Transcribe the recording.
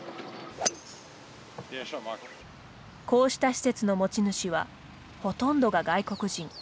こうした施設の持ち主はほとんどが外国人。